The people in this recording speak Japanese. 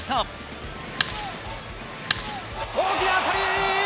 大きな当たり！